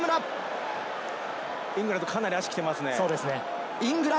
イングランド、かなり足にきていますね。